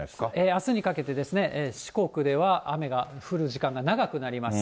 あすにかけてですね、四国では雨が降る時間が長くなります。